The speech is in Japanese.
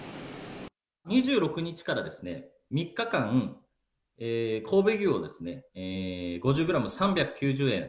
２６日から３日間、神戸牛を５０グラム３９０円。